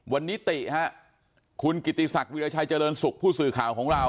วันนี้ติฮะคุณกิติศักดิราชัยเจริญสุขผู้สื่อข่าวของเรา